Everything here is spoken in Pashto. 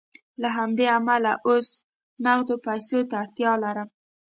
له همدې امله اوس نغدو پیسو ته اړتیا لرم